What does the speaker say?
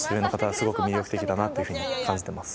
すごく魅力的だなっていうふうに感じてます